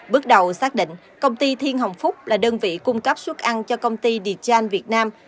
bước đầu xác định công ty thiên hồng phúc là đơn vị cung cấp suốt ăn cho công ty đê trang việt nam